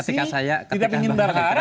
tidak ingin berharap